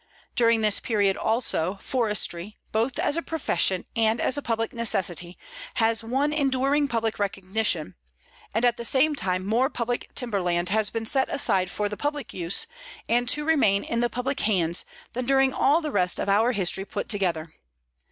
During this period, also, forestry, both as a profession and as a public necessity, has won enduring public recognition, and at the same time more public timberland has been set aside for the public use and to remain in the public hands than during all the rest of our history put together.